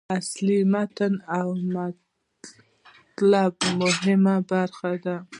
اصلي متن او مطلب مهمې برخې دي.